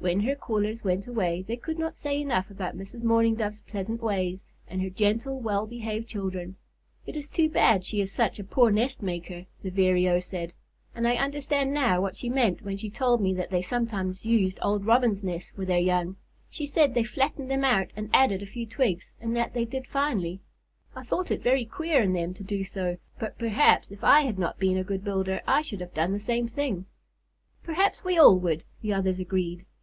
When her callers went away, they could not say enough about Mrs. Mourning Dove's pleasant ways, and her gentle, well behaved children. "It is too bad she is such a poor nest maker," the Vireo said, "and I understand now what she meant when she told me that they sometimes used old Robins' nests for their young. She said they flattened them out and added a few twigs, and that they did finely. I thought it very queer in them to do so, but perhaps if I had not been a good builder I should have done the same thing." "Perhaps we all would," the others agreed.